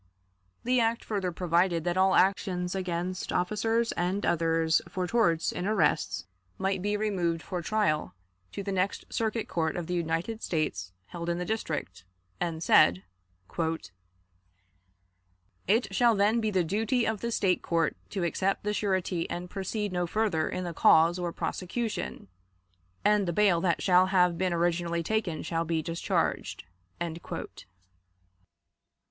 The act further provided that all actions against officers and others for torts in arrests might be removed for trial to the next Circuit Court of the United States held in the district, and said: "It shall then be the duty of the State court to accept the surety and proceed no further in the cause or prosecution, and the bail that shall have been originally taken shall be discharged."